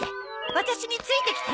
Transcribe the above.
ワタシについてきて！